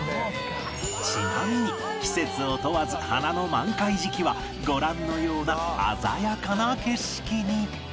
ちなみに季節を問わず花の満開時期はご覧のような鮮やかな景色に